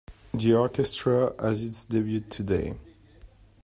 The orchestra has its debut today.